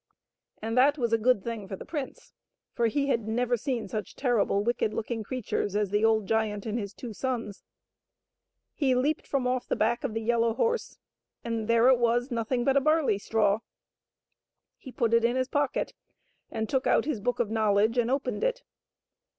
And that was a good thing for the prince, for he had never seen such terrible, wicked looking creatures as the old giant and his two sons. He leaped from off the back of the yellow horse, and there it wa>s, nothing but a barley straw. He put it in his pocket and took out his Book of Knowledge and opened it.